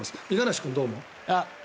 五十嵐君、どう思う？